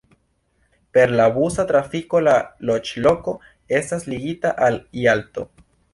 Per la busa trafiko la loĝloko estas ligita al Jalto.